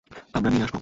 আমরা নিয়ে আসবো।